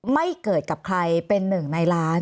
ไม่เกิดกับใครเป็นหนึ่งในล้าน